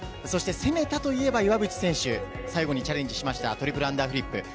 そして、攻めたといえば岩渕選手、最後にチャレンジしました、トリプルアンダーフリップ。